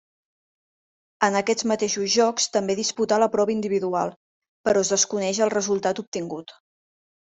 En aquests mateixos Jocs també disputà la prova individual, però es desconeix el resultat obtingut.